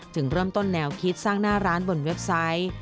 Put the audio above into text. ถึงเริ่มต้นแนวคิดสร้างหน้าร้านบนเว็บไซต์